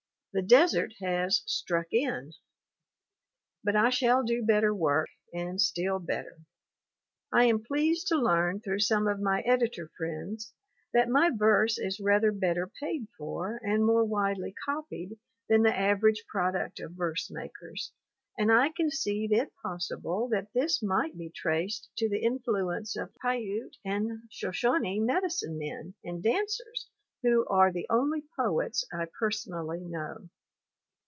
the desert has "struck in." But I shall do better work, and still better. I am pleased to learn through some of my editor friends that my verse is rather better paid for and more widely copied than the average product of verse makers, and I con ceive it possible that this might be traced to the in fluence of Piute and Shoshone medicine men and Dancers who are the only poets I personally know.